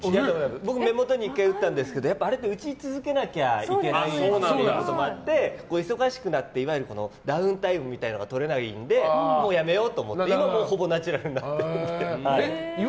僕、目元に２回打ったんですけどあれって打ち続けなきゃいけないということもあって忙しくなってダウンタイムみたいなのがとれないのでもうやめようと思ってもうほぼナチュラルになってるんで。